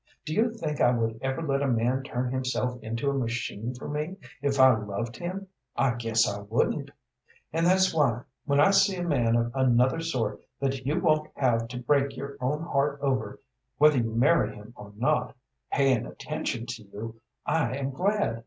Do you think I would ever let a man turn himself into a machine for me, if I loved him? I guess I wouldn't! And that's why, when I see a man of another sort that you won't have to break your own heart over, whether you marry him or not, payin' attention to you, I am glad.